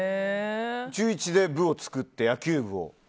中１で部を作って野球部を。